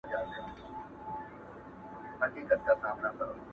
د هغه په فیصله دي کار سمېږي!!